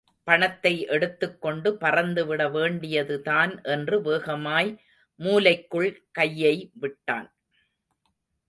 பணத்தை எடுத்துக் கொண்டு பறந்துவிட வேண்டியது தான் என்று வேகமாய் மூலைக்குள் கையை விட்டான்.